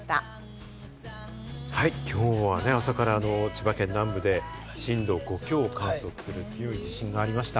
今日は朝から千葉県南部で震度５強を観測する強い地震がありました。